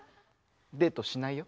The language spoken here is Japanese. デートしないよ。